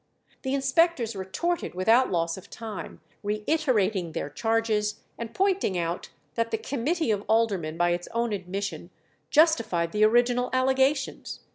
The inspectors retorted without loss of time, reiterating their charges, and pointing out that the committee of aldermen by its own admission justified the original allegations.